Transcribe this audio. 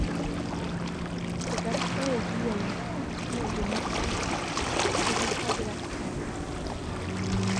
Cet aspect est dû à une structure de martensite, résultat de la trempe.